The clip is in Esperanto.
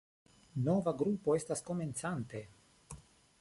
Nova grupo estas komencante.